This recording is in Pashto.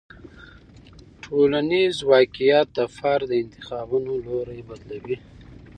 ټولنیز واقیعت د فرد د انتخابونو لوری بدلوي.